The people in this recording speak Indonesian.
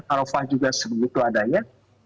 arofah juga segitu adanya